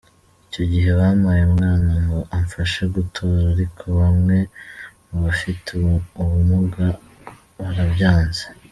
Icyo gihe bampaye umwana ngo amfashe gutora, ariko bamwe mu bafite ubumuga barabyanze.